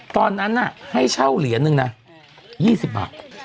ตอนนั้นให้เช่าเหรียญนึงนะ๒๐บาท